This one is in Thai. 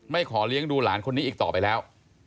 ขอเลี้ยงดูหลานคนนี้อีกต่อไปแล้ว